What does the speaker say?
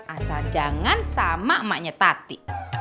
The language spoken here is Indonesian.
asal jangan sama emaknya tati